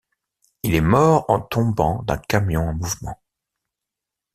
Il est mort en tombant d'un camion en mouvement.